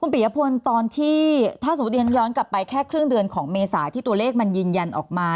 ปียพลตอนที่ถ้าสมมุติฉันย้อนกลับไปแค่ครึ่งเดือนของเมษาที่ตัวเลขมันยืนยันออกมา